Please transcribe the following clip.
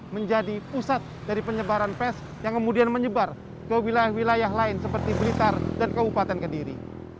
menjadi pusat dari penyebaran pes yang kemudian menyebar ke wilayah wilayah lain seperti blitar dan kabupaten kediri